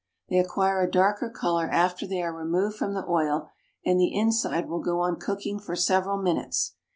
They acquire a darker colour after they are removed from the oil, and the inside will go on cooking for several minutes.